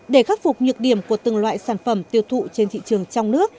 để khắc phục nhược điểm của từng loại sản phẩm tiêu thụ trên thị trường trong nước